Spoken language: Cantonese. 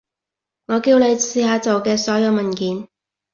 我叫你試下做嘅所有文件